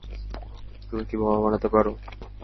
তুমি কি বোমা বানাতে পারো?